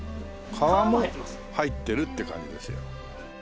皮も入ってるって感じですよ。